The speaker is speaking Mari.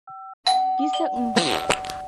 Писе ыҥ